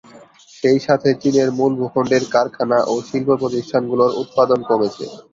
সেই সাথে চীনের মূল-ভূখন্ডের কারখানা ও শিল্প প্রতিষ্ঠানগুলোর উৎপাদন কমেছে।